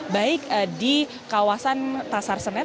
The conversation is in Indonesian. baik di kawasan pasar senen